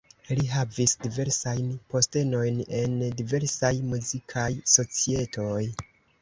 Li havis diversajn postenojn en diversaj muzikaj societoj.